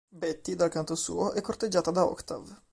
Betty, dal canto suo, è corteggiata da Octave.